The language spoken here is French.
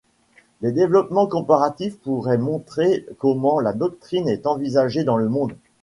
Des développements comparatifs pourraient montrer comment la doctrine est envisagée dans le monde.